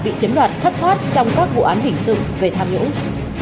bị chiếm đoạt thất thoát trong các vụ án hình sự về tham nhũng